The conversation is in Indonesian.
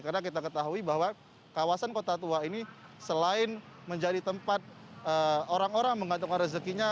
karena kita ketahui bahwa kawasan kota tua ini selain menjadi tempat orang orang menggantungkan rezekinya